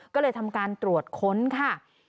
ก็เลยทำการตรวจค้นค่ะ